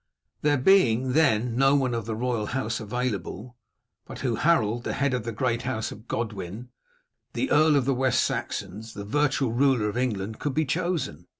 There being, then, no one of the royal house available, who but Harold, the head of the great house of Godwin, the earl of the West Saxons, the virtual ruler of England, could be chosen?